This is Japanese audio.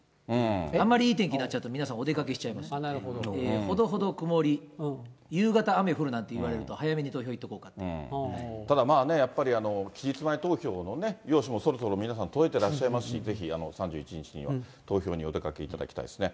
あんまりいい天気になっちゃうと、皆さん、お出かけしちゃいますのでね、ほどほど曇り、夕方雨降るなんていうと、早めに投票行っとただまあね、やっぱり期日前投票の用紙もそろそろ皆さん、届いてらっしゃいますし、ぜひ３１日には、投票にお出かけいただきたいですね。